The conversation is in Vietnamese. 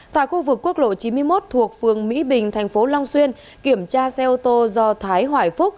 tại khu vực quốc lộ chín mươi một thuộc phường mỹ bình thành phố long xuyên kiểm tra xe ô tô do thái hoài phúc